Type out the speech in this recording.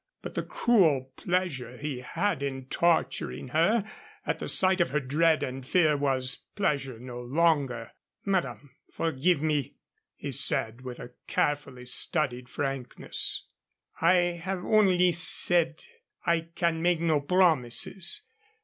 But the cruel pleasure he had in torturing her, at the sight of her dread and fear was pleasure no longer. "Madame, forgive me," he said, with a carefully studied frankness. "I have only said I can make no promises.